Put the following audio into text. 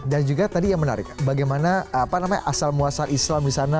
dan juga tadi yang menarik bagaimana asal muasal islam di sana